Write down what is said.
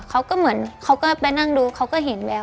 เขาก็เหมือนเขาก็ไปนั่งดูเขาก็เห็นแมว